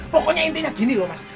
pokoknya intinya gini loh mas